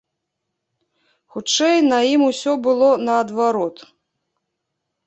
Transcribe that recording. Хутчэй, на ім усё было наадварот.